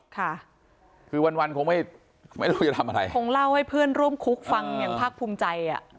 ค่ะคือวันวันคงไม่ไม่รู้จะทำอะไรคงเล่าให้เพื่อนร่วมคุกฟังอย่างภาคภูมิใจอ่ะ